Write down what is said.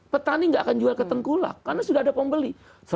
petani nggak akan jual ke tengkulak karena sudah ada pembeli